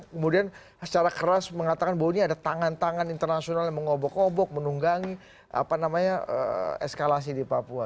kemudian secara keras mengatakan bahwa ini ada tangan tangan internasional yang mengobok obok menunggangi eskalasi di papua